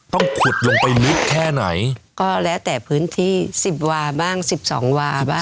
ต้องขุดลงไปลึกแค่ไหนก็แล้วแต่พื้นที่สิบวาบ้างสิบสองวาบ้าง